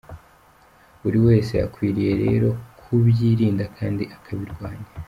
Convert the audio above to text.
Buri wese akwiriye rero kubyirinda kandi akabirwanya ."